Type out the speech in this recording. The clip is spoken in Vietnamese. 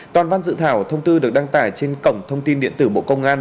toàn văn dự thảo thông tư được đăng tải trên cổng thông tin điện tử bộ công an